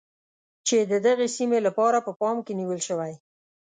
چې د دغې سیمې لپاره په پام کې نیول شوی.